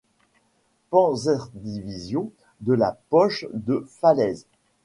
Panzerdivision de la poche de Falaise.